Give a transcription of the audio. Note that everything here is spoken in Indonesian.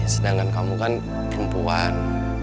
sedangkan kamu kan perempuan